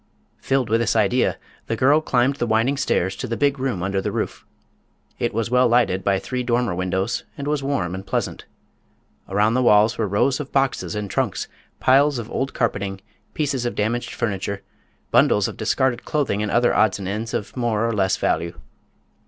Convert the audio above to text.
Filled with this idea, the girl climbed the winding stairs to the big room under the roof. It was well lighted by three dormer windows and was warm and pleasant. Around the walls were rows of boxes and trunks, piles of old carpeting, pieces of damaged furniture, bundles of discarded clothing and other odds and ends of more or less value.